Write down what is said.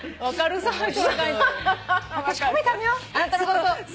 あなたのこと。